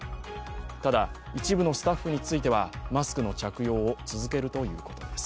ただ、一部のスタッフについてはマスクの着用を続けるということです。